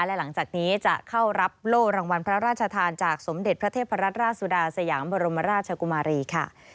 และหลังจากนี้จะเข้ารับโล่รางวัลพระราชทานจากสมเด็จพระเทพรัตนราชสุดาสยามบรมราชกุมารีค่ะ